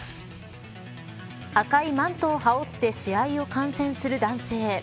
赤いマントを羽織って試合を観戦する男性。